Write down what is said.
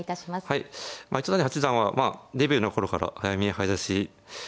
はい糸谷八段はデビューの頃から早見え早指しで知られていまして